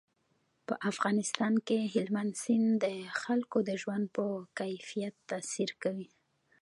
په افغانستان کې هلمند سیند د خلکو د ژوند په کیفیت تاثیر کوي.